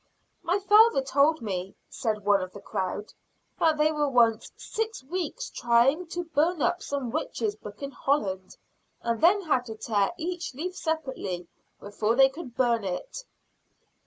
"My father told me," said one of the crowd, "that they were once six weeks trying to burn up some witch's book in Holland, and then had to tear each leaf separately before they could burn it."